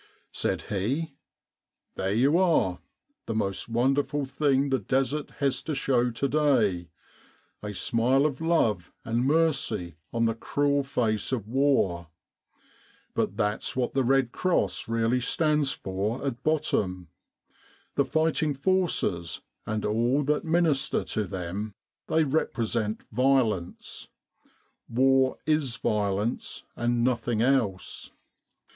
Said he: "There you are! The most wonderful thing the Desert has to show to day a smile of love and mercy on the cruel face of war ! But that's what the Red Cross really stands for at bottom. The fighting forces and all that minister to them they represent Violence. War is violence and nothing else.